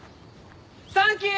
サンキュー！